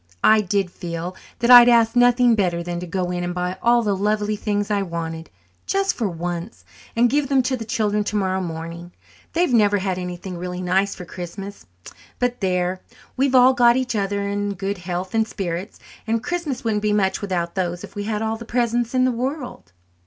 I did feel that I'd ask nothing better than to go in and buy all the lovely things I wanted, just for once, and give them to the children tomorrow morning. They've never had anything really nice for Christmas. But there! We've all got each other and good health and spirits, and a Christmas wouldn't be much without those if we had all the presents in the world."